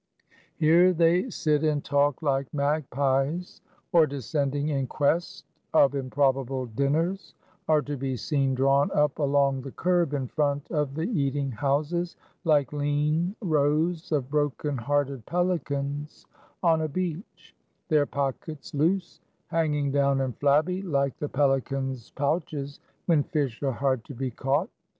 Here they sit and talk like magpies; or descending in quest of improbable dinners, are to be seen drawn up along the curb in front of the eating houses, like lean rows of broken hearted pelicans on a beach; their pockets loose, hanging down and flabby, like the pelican's pouches when fish are hard to be caught.